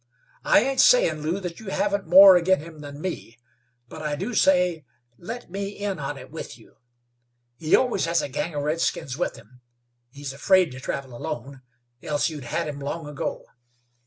I ain't sayin', Lew, that you haven't more agin him than me, but I do say, let me in on it with you. He always has a gang of redskins with him; he's afraid to travel alone, else you'd had him long ago.